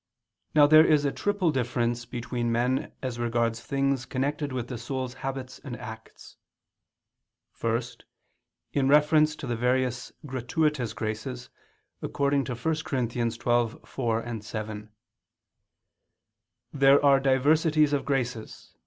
Now there is a triple difference between men as regards things connected with the soul's habits and acts. First, in reference to the various gratuitous graces, according to 1 Cor. 12:4, 7: "There are diversities of graces